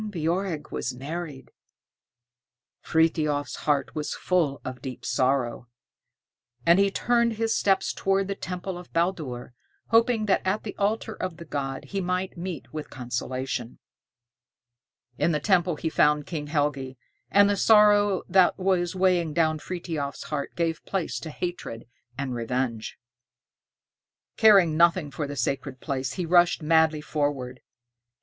Ingebjorg was married! Frithiof's heart was full of deep sorrow, and he turned his steps towards the temple of Baldur, hoping that at the altar of the god he might meet with consolation. In the temple he found King Helgi, and the sorrow that was weighing down Frithiof's heart gave place to hatred and revenge. Caring nothing for the sacred place, he rushed madly forward.